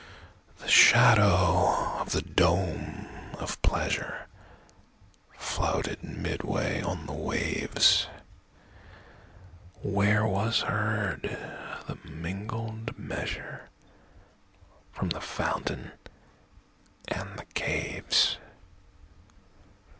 The shadow of the dome of pleasureFloated midway on the waves; Where was heard the mingled measureFrom the fountain and the caves.